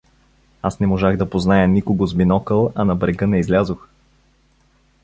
Аз не можах да позная никого с бинокъл, а на брега не излязох.